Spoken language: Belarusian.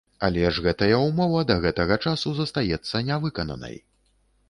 Але ж гэтая ўмова да гэтага часу застаецца не выкананай.